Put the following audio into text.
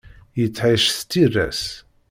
Yettεic s tira-s.